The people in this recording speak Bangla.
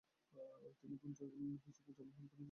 তিনি বোন হিসেবে জন্মগ্রহণ করেছেন, স্ত্রী হিসেবে নয়।